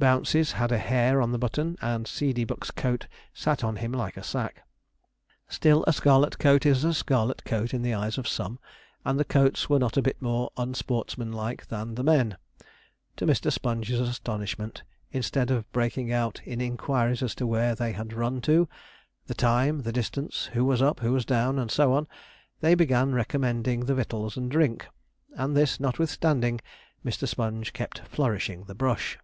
Bouncey's had a hare on the button, and Seedeybuck's coat sat on him like a sack. Still a scarlet coat is a scarlet coat in the eyes of some, and the coats were not a bit more unsportsmanlike than the men. To Mr. Sponge's astonishment, instead of breaking out in inquiries as to where they had run to, the time, the distance, who was up, who was down, and so on, they began recommending the victuals and drink; and this, notwithstanding Mr. Sponge kept flourishing the brush.